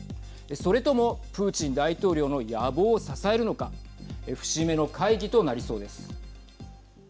それとも、プーチン大統領の野望を支えるのか節目の会議となりそうです。